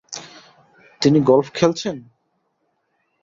তিনি গলফ খেলছেন?